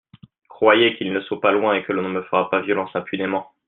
Croyez qu'ils ne sont pas loin et que l'on ne me fera pas violence impunément.